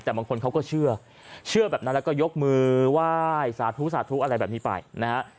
แต่บางคนเขาก็เชื่อเชื่อแบบนั้นแล้วก็ยกมือไหว้สาธุสาธุอะไรแบบนี้ไปนะฮะ